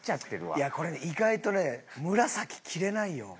いやこれね意外とね紫着れないよ。